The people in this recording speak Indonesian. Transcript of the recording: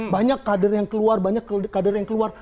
banyak kader yang keluar banyak kader yang keluar